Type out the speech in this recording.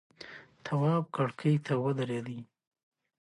تواب کرکۍ ته ودرېد.